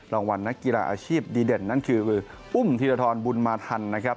รางวัลนักกีฬาอาชีพดีเด่นนั่นคืออุ้มธีรทรบุญมาทันนะครับ